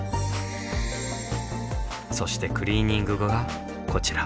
そしてクリーニング後がこちら。